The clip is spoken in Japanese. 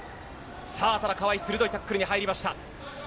さあ、ただ、川井、鋭いタックルに入りました。